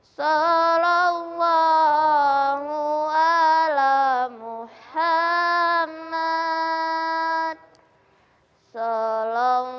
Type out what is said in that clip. salam allah alaihi wasalam